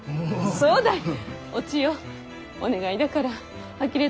そうだに。